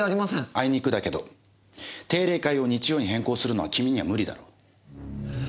あいにくだけど定例会を日曜に変更するのは君には無理だろう。